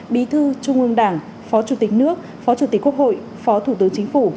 bí thư trung ương đảng phó chủ tịch nước phó chủ tịch quốc hội phó thủ tướng chính phủ